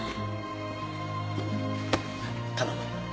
頼む